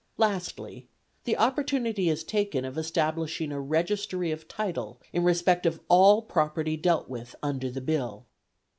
Lastly, the opportunity is taken of establishing a registry of title in respect of all property dealt with under the Bill.